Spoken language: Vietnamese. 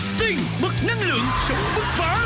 sting bật năng lượng sống bức phở